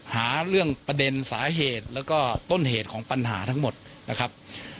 หาเรื่องประเด็นสาเหตุแล้วก็ต้นเหตุของปัญหาทั้งหมดนะครับ